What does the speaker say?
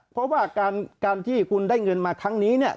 เพราะว่าการที่คุณได้เงินมาครั้งนี้เนี่ย